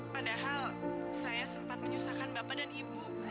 padahal saya sempat menyusahkan bapak dan ibu